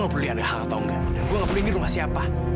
aku tidak peduli apa apa ini aku tidak peduli ini rumah siapa